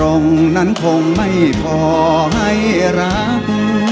ตรงนั้นคงไม่พอให้รัก